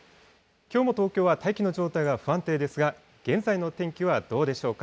きょうも東京は大気の状態が不安定ですが、現在の天気はどうでしょうか。